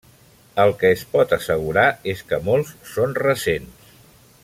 El que es pot assegurar és que molts són recents.